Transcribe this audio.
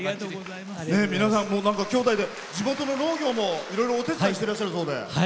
地元の農業もいろいろお手伝いしてらっしゃるそうで。